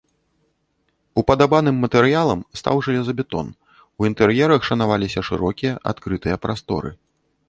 Упадабаным матэрыялам стаў жалезабетон, у інтэр'ерах шанаваліся шырокія адкрытыя прасторы.